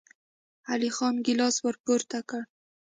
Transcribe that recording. علی خان ګيلاس ور پورته کړ.